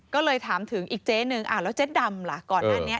ก็เลยถามถึงอีกเจ๊นึงแล้วเจ๊ดำล่ะก่อนหน้านี้